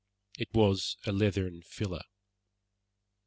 It was a leathern filler.